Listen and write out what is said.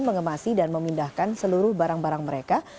mengemasi dan memindahkan seluruh barang barang mereka